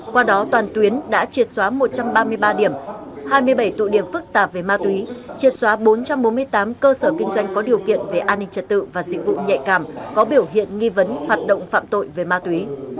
qua đó toàn tuyến đã triệt xóa một trăm ba mươi ba điểm hai mươi bảy tụ điểm phức tạp về ma túy triệt xóa bốn trăm bốn mươi tám cơ sở kinh doanh có điều kiện về an ninh trật tự và dịch vụ nhạy cảm có biểu hiện nghi vấn hoạt động phạm tội về ma túy